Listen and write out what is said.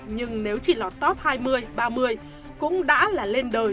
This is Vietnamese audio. nhưng nếu chỉ lọt top hai mươi ba mươi cũng đã là lên đời